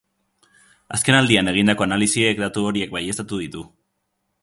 Azken aldian egindako analisiek datu horiek baieztatu ditu.